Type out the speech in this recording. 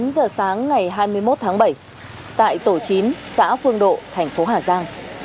tám giờ sáng ngày hai mươi một tháng bảy tại tổ chín xã phương độ thành phố hà giang